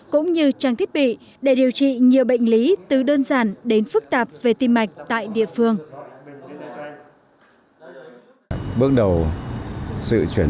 cũng như trang thiết bị để điều trị nhiều bệnh viện